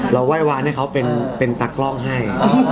ไหว้วานให้เขาเป็นตากล้องให้